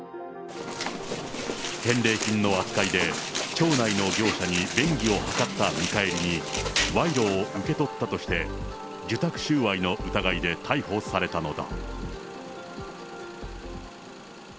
返礼品の扱いで町内の業者に便宜を図った見返りに、賄賂を受け取ったとして、受託収賄の疑いで逮捕されたのだ。